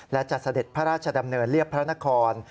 และจะเสด็จพระราชดำเนินเรียบพระนคร